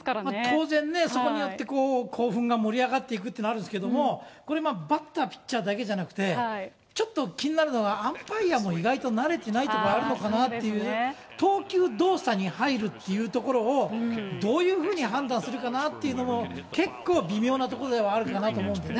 当然ね、そこによって、興奮が、盛り上がっていくというのがあるんですけれども、これ、バッター、ピッチャーだけじゃなくて、ちょっと、気になるのがアンパイヤも意外と慣れてないとこあるのかなという、投球動作に入るっていうところを、どういうふうに判断するかなっていうのも、結構微妙なところではあるかなと思うんでね。